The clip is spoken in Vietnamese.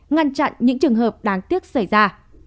ngăn chặn những trường hợp đáng tiếc xảy ra